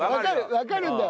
わかるんだよ。